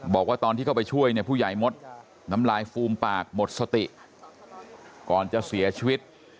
บอกว่าตอนที่เข้าไปช่วยเนี่ยผู้ใหญ่มดน้ำลายฟูมปากหมดสติก่อนจะเสียชีวิต